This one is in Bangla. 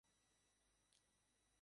কিছু কাজ বাকি আছে।